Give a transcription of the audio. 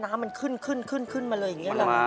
น้ำมันขึ้นมาเลยอย่างนี้หรอ